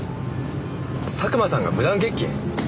佐久間さんが無断欠勤？